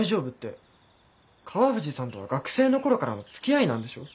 川藤さんとは学生の頃からの付き合いなんでしょ？